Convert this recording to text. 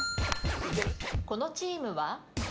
このチームは？